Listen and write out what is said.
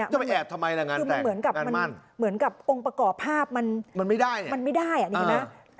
จะไปแอบทำไมล่ะงานแต่งานมั่นเหมือนกับองค์ประกอบภาพมันมันไม่ได้มันไม่ได้อ่ะนี่เห็นไหม